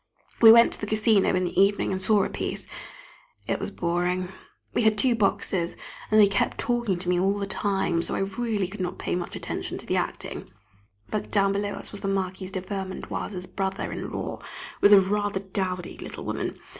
We went to the Casino in the evening and saw a piece; it was boring. We had two boxes, and they kept talking to me all the time, so I really could not pay much attention to the acting. Down below us was the Marquise de Vermandoise's brother in law, with a rather dowdy little woman.